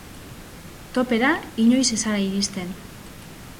Topera inoiz ez zara iristen.